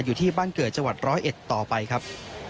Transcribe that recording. อยู่ที่บ้านเกิดจังหวัดร้อยเอ็ดต่อไปครับ